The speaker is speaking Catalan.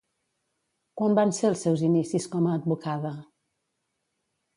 Quan van ser els seus inicis com a advocada?